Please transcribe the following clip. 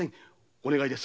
お願いです。